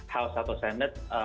house atau senate